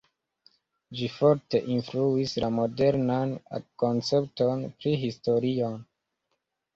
Ĝi forte influis la modernan koncepton pri historio.